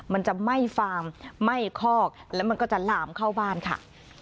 มันจะไหม้ฟาร์มไหม้คอกแล้วมันก็จะหลามเข้าบ้านค่ะ